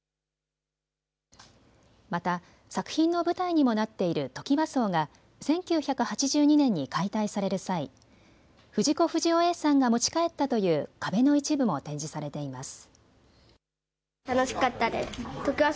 また作品の舞台にもなっているトキワ荘が１９８２年に解体される際、藤子不二雄Ａさんが持ち帰ったという壁の一部も展示されています。